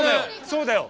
そうだよ！